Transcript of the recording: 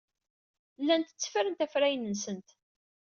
Llant tteffrent afrayen-nsent.